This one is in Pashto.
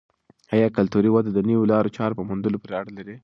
آیا کلتوري وده د نویو لارو چارو په موندلو پورې اړه لري؟